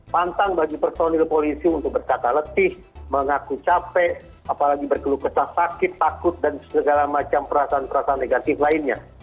pantang bagi personil polisi untuk berkata letih mengaku capek apalagi berkeluh kesah sakit takut dan segala macam perasaan perasaan negatif lainnya